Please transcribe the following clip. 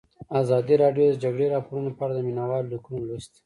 ازادي راډیو د د جګړې راپورونه په اړه د مینه والو لیکونه لوستي.